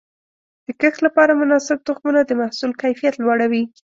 د کښت لپاره مناسب تخمونه د محصول کیفیت لوړوي.